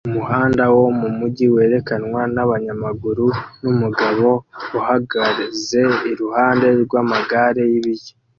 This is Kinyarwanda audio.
Umuhanda wo mumujyi werekanwa nabanyamaguru numugabo uhagaze iruhande rwamagare y'ibiryo